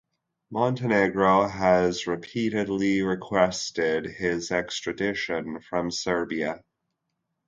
Montenegro has repeatedly requested his extradition from Serbia.